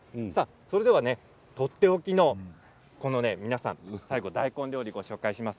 それでは、とっておきの大根料理をご紹介します。